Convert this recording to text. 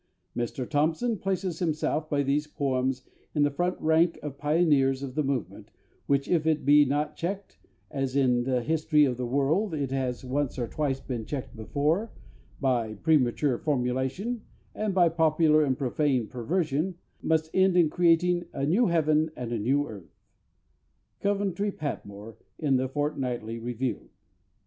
MR THOMPSON places himself, by these poems, in the front rank of the pioneers of the movement which, if it be not checked, as in the history of the world it has once or twice been checked before, by premature formulation and by popular and profane perversion, must end in creating a "new heaven and a new earth." COVENTRY PATMORE, in _The Fortnightly Review.